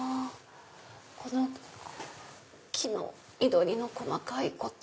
この木の緑の細かいこと。